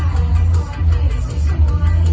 มันเป็นเมื่อไหร่แล้ว